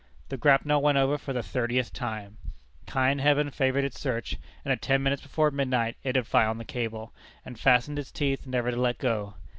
The grapnel went over for the thirtieth time. Kind heaven favored its search, and at ten minutes before midnight it had found the cable, and fastened its teeth never to let go.